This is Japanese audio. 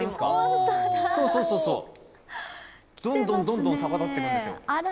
どんどん逆立っていくんですよ。